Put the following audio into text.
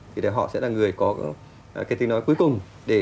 thì họ sẽ là người có cái tiếng nói cuối cùng